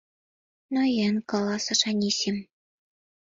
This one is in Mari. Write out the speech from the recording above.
— Ноен, — каласыш Анисим.